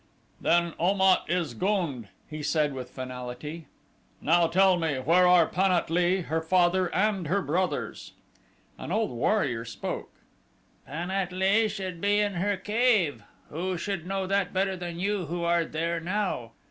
"Then Om at is gund," he said with finality. "Now tell me, where are Pan at lee, her father, and her brothers?" An old warrior spoke. "Pan at lee should be in her cave. Who should know that better than you who are there now?